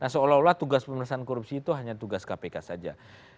seolah olah tugas pemerintahan korupsi itu hanya tugas kpk saja